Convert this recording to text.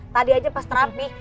tadi aja pas terapih